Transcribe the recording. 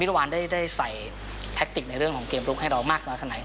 เมื่อวานได้ใส่แทคติกในเรื่องของเกมลุกให้เรามากน้อยขนาดไหน